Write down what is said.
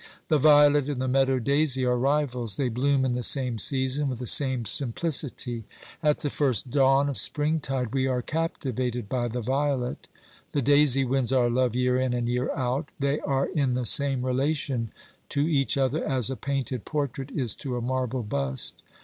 The violet and the meadow daisy are rivals. They bloom in the same season, with the same simplicity. At the first dawn of springtide we are captivated by the violet ; the daisy wins our love year in and year out. They are in the same relation to each other as a painted portrait is to a marble bust.